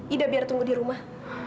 ida biar tunggu di rumah